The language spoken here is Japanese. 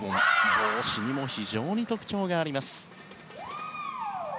帽子にも非常に特徴があります。